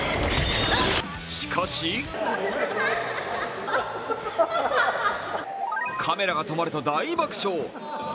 しかしカメラが止まると大爆笑。